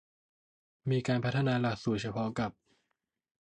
มีการพัฒนาหลักสูตรเฉพาะกับ